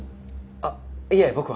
あっいえ僕は。